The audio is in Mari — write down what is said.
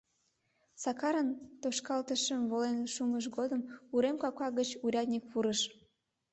Сакарын тошкалтышым волен шумыжо годым урем капка гыч урядник пурыш.